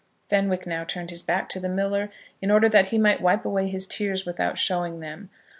Fenwick had now turned his back to the miller, in order that he might wipe away his tears without showing them.